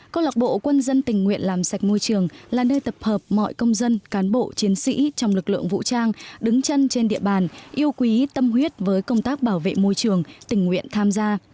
câu lạc bộ quân dân tình nguyện làm sạch môi trường là nơi tập hợp mọi công dân cán bộ chiến sĩ trong lực lượng vũ trang đứng chân trên địa bàn yêu quý tâm huyết với công tác bảo vệ môi trường tình nguyện tham gia